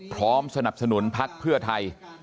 พร้อมสนับสนุนพักเพื่อไทย